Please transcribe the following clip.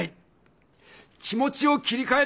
気持ちを切りかえて！